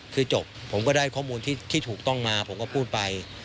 คือจบผมก็ได้ข้อมูลที่ถูกต้องมาผมก็พูดไป